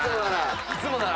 いつもなら。